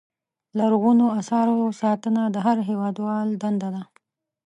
لرغونو اثارو ساتنه د هر هېوادوال دنده ده.